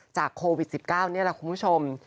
โควิด๑๙นี่แหละคุณผู้ชม